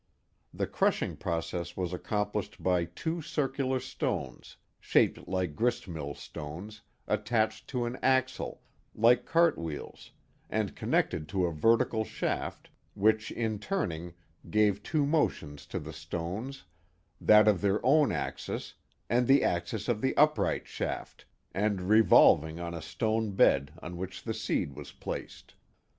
T!ie crushing process was accomplished by two circular stones, shaped like grist mill stones, attached to an axle, like cart wheels, and connected to a vertical shaft, which in turning gave two motions to the stones, that of their own axis and the axis of the upright shaft, and revolving on a stone bed on which the seed was placed.